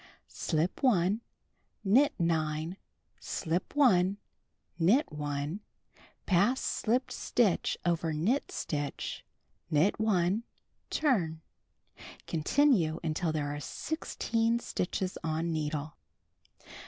Slip 1, knit 9, slip 1, knit 1, pass slipped stitch over knit stitch, knit 1, turn. Continue until there are 16 stitches on needle.